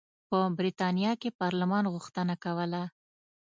په برېټانیا کې پارلمان غوښتنه کوله.